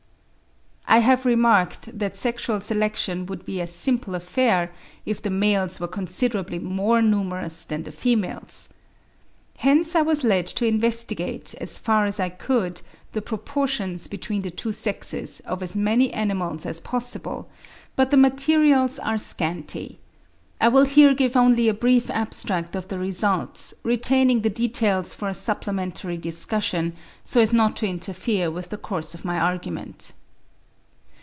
I have remarked that sexual selection would be a simple affair if the males were considerably more numerous than the females. Hence I was led to investigate, as far as I could, the proportions between the two sexes of as many animals as possible; but the materials are scanty. I will here give only a brief abstract of the results, retaining the details for a supplementary discussion, so as not to interfere with the course of my argument.